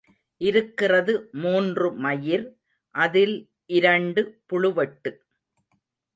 இருக்கிறது மூன்று மயிர் அதில் இரண்டு புழுவெட்டு.